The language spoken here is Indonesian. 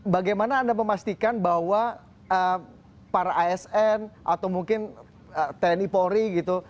bagaimana anda memastikan bahwa para asn atau mungkin tni polri gitu